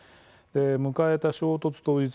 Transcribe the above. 迎えた衝突当日。